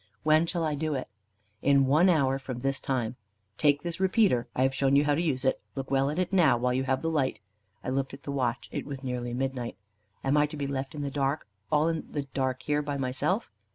"When shall I do it?" "In one hour from this time. Take this repeater. I have shown you how to use it. Look well at it now, while you have the light." I looked at the watch; it was nearly midnight. "Am I to be left in the dark all in the dark here, by myself?"